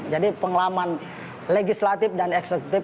jadi pengalaman legislatif dan eksekutif